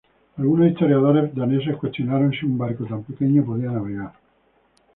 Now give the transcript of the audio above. Algunos historiadores daneses cuestionaron si un barco tan pequeño podía navegar.